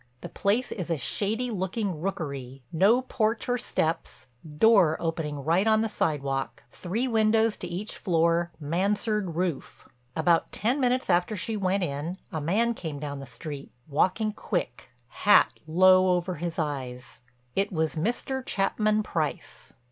The place is a shady looking rookery, no porch or steps, door opening right on the sidewalk, three windows to each floor, mansard roof. About ten minutes after she went in, a man came down the street, walking quick, hat low over his eyes—it was Mr. Chapman Price." Mr.